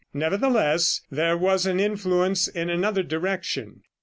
Nevertheless there was an influence in another direction.